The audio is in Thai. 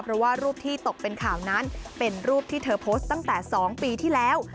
เพราะว่ารูปที่ตกเป็นข่าวนั้นเป็นรูปที่เธอโพสต์ตั้งแต่๒ปีที่แล้ว